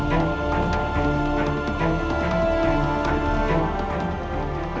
ampuni mas ihmat